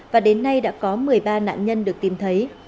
và đến nay đã có một mươi ba nạn nhân được tìm thấy